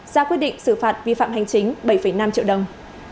ra quyết định xử phạt vi phạm hành chính bảy năm triệu đồng